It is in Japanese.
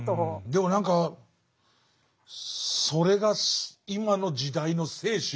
でも何かそれが今の時代の精神なのかなっていう。